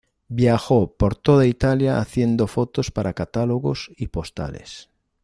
Viajó por toda Italia haciendo fotos para catálogos y postales.